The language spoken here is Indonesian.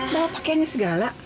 bawa pakaiannya segala